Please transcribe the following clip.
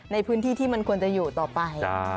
ในพื้นที่ที่มันควรจะอยู่ต่อไป